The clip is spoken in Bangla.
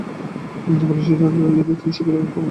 বাংলাদেশের স্বাধীনতা যুদ্ধে তিনি সক্রিয় ভাবে অংশগ্রহণ করেন।